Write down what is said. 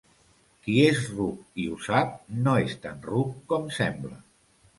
Qui és ruc i ho sap no és tan ruc com sembla.